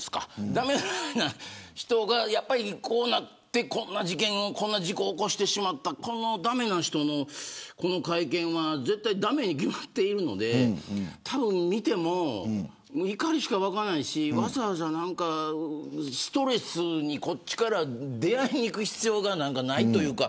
駄目な人が、こうなってこんな事故を起こしてしまってこの駄目な人の会見は絶対、駄目に決まっているのでたぶん見ても怒りしか湧かないしわざわざストレスにこっちから出会いに行く必要がないというか。